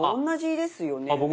同じですよね。